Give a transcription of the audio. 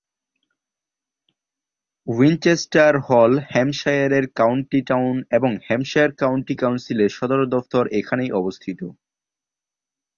Winchester হল হ্যাম্পশায়ারের county town এবং হ্যাম্পশায়ার কাউন্টি কাউন্সিলের সদর দফতর এখানেই অবস্থিত।